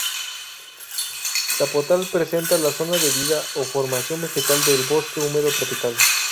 Zapotal presenta la zona de vida o formación vegetal del bosque húmedo tropical.